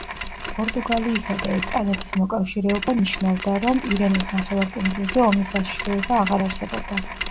პორტუგალიისა და ესპანეთის მოკავშირეობა ნიშნავდა, რომ პირენეს ნახევარკუნძულზე ომის საშიშროება აღარ არსებობდა.